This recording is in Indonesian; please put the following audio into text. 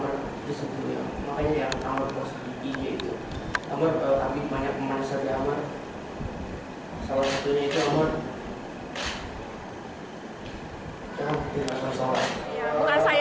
mereka berdua sama abie makanya dia akan menanggung posisi dia itu